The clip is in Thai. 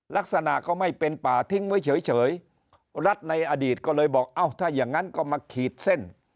ลักษณะก็ไม่เป็นป่าทิ้งไว้เฉยรัฐในอดีตก็เลยบอกเอ้าถ้าอย่างนั้นก็มาขีดเส้น